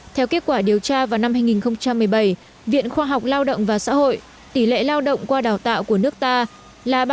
theo kết quả điều tra vào năm hai nghìn một mươi bảy viện khoa học lao động và xã hội tỷ lệ lao động qua đào tạo của nước ta là ba mươi bảy